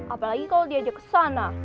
apalagi kalau diajak ke sana